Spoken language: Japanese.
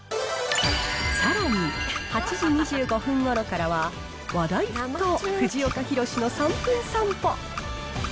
さらに、８時２５分ごろからは、話題沸騰！藤岡弘、の３分散歩。